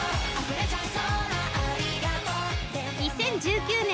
２０１９年